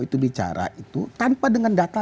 itu bicara itu tanpa dengan data